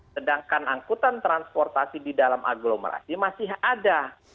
sedangkan angkutan transportasi di dalam agglomerasi masih ada